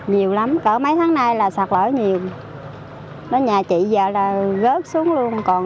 nhiều lắm cỡ mấy tháng nay là sạt lỡ nhiều nhà chị giờ là rớt xuống luôn